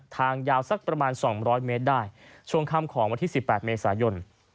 ทางยาวสักประมาณ๒๐๐เมตรได้ช่วงค่ำของวันที่๑๘เมษายน